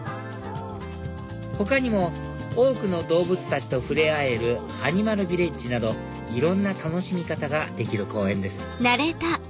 他にも多くの動物たちと触れ合えるアニマルヴィレッジなどいろんな楽しみ方ができる公園です